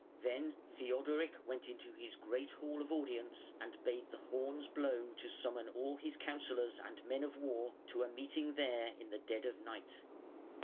Then Theodoric went into his great hall of audience and bade the horns blow to summon all his counsellors and men of war to a meeting there in the dead of night.